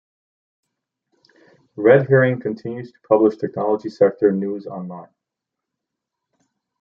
Red Herring continues to publish technology sector news online.